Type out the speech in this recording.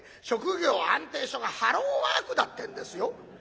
職業安定所がハローワークだってんですよ。